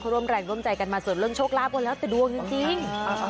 ร่วมแรงร่วมใจกันมาส่วนเรื่องโชคลาภก็แล้วแต่ดวงจริง